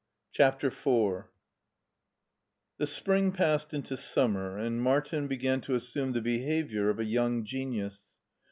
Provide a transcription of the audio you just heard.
CHAPTER ly THE spring passed into summer, and Martin be gan to assume the behavior of a young genius.